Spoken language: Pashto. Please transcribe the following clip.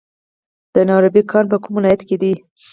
د نورابې کان په کوم ولایت کې دی؟